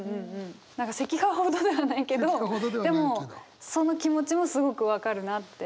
何か石化ほどではないけどでもその気持ちもすごく分かるなって。